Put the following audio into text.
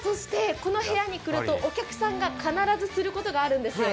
この部屋に来るとお客さんが必ずすることがあるんですね。